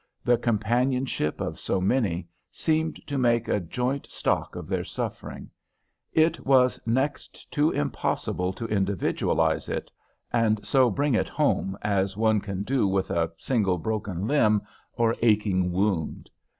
The companionship of so many seemed to make a joint stock of their suffering; it was next to impossible to individualize it, and so bring it home, as one can do with a single broken limb or aching wound.